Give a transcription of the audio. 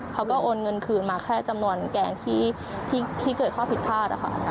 โอนเงินคืนมาแค่จำนวนแกงที่เกิดข้อผิดพลาดนะคะ